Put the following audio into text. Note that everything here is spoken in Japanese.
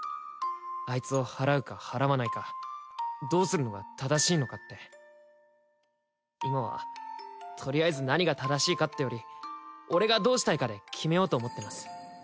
あいつを祓うか祓わないかどうするのが正しいのかって今はとりあえず何が正しいかってより俺がどうしたいかで決めようと思ってます